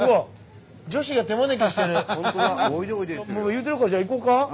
言うてるからじゃあ行こうか？